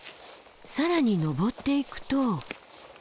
更に登っていくと。